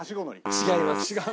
違います。